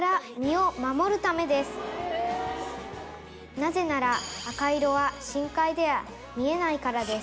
「なぜなら赤色は深海では見えないからです」